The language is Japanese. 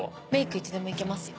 いつでもいけますよ。